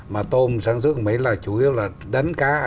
mà tôm sản xuất của mỹ là chủ yếu là